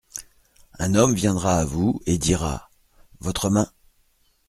Un homme viendra à vous, et dira : Votre main ?